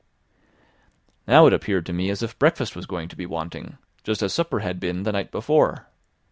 Now it appeared to me as if breakfast was going to be wanting, just as supper had been the night before.